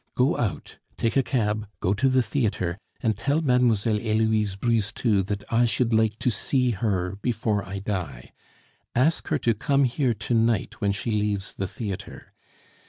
Go out, take a cab, go to the theatre, and tell Mlle. Heloise Brisetout that I should like to see her before I die. Ask her to come here to night when she leaves the theatre.